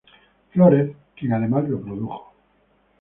Flórez, quien además lo produjo.